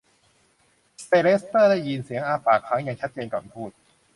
เซอร์เลสเตอร์ได้ยินเสียงอ้าปากค้างอย่างชัดเจนก่อนพูด